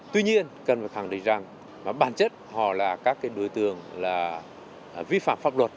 tuy nhiên cần phải khẳng định rằng bản chất họ là các đối tượng là vi phạm pháp luật